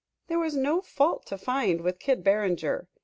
There was no fault to find with Kid Barringer.